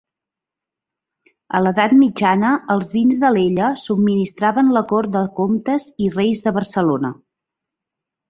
A l'Edat Mitjana els vins d'Alella subministraven la cort de comtes i reis de Barcelona.